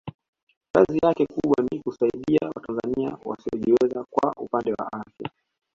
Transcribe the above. kazi yake kubwa ni kusaidia watanzania wasiojiweza kwa upande wa afya